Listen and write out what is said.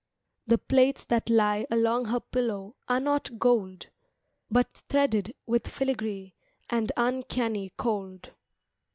The plaits that lie along her pillow Are not gold, But threaded with filigree, And uncanny cold.